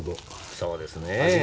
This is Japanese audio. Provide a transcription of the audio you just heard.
そうですね。